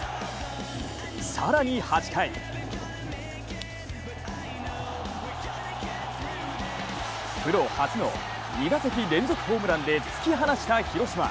更に８回プロ初の２打席連続ホームランで突き放した広島。